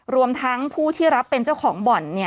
รวมทั้งผู้ที่รับเป็นเจ้าของบ่อน